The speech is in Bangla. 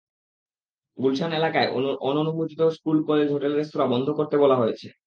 গুলশান এলাকায় অননুমোদিত স্কুল, কলেজ, হোটেল, রেস্তোরাঁ বন্ধ করতে বলা হয়েছে।